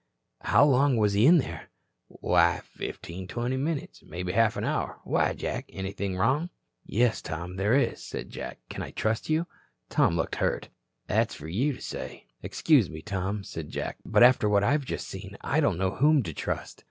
"How long was he in there?" "Why, fifteen, twenty minutes. Maybe half an hour. Why, Jack? Anything wrong?" "Yes, Tom, there is," said Jack. "Can I trust you?" Tom looked hurt. "That's fer you to say." "Excuse me, Tom," said Jack. "But after what I've just seen I don't know whom to trust.